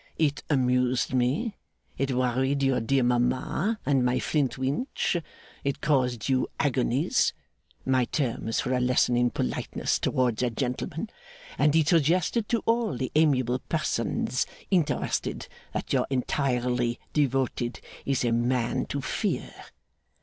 It amused me, it worried your dear mama and my Flintwinch, it caused you agonies (my terms for a lesson in politeness towards a gentleman), and it suggested to all the amiable persons interested that your entirely devoted is a man to fear.